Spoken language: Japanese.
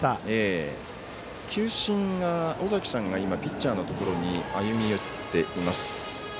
球審の尾崎さんがピッチャーのところに歩み寄っています。